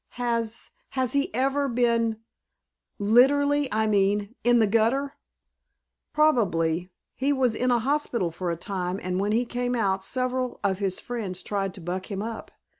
"Has has he ever been literally, I mean in the gutter?" "Probably. He was in a hospital for a time and when he came out several of his friends tried to buck him up.